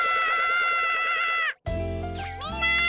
みんな！